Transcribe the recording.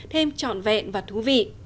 thêm trọn vẹn và thú vị